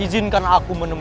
izinkan aku menemukanmu